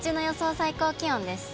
最高気温です。